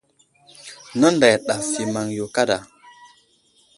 Nənday ɗaf i maŋ yo kaɗa.